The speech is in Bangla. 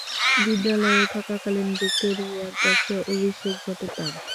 বিদ্যালয়ে থাকাকালীন ভিক্টোরিয়ার পক্ষে অভিষেক ঘটে তার।